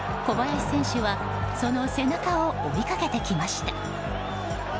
小林選手は、その背中を追いかけてきました。